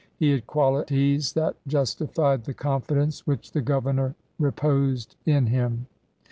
He had quali ties that justified the confidence which the gover nor reposed in him.